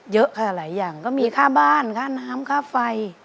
เยอะค่ะหลายอย่างก็มีค่าบ้านค่าน้ำค่าไฟ